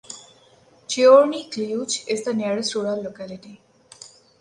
Chyorny Klyuch is the nearest rural locality.